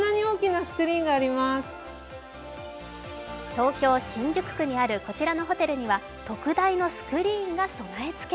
東京・新宿区にあるこちらのホテルには特大のスクリーンが備え付け。